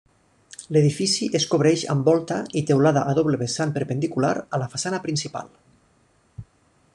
L'edifici es cobreix amb volta i teulada a doble vessant perpendicular a la façana principal.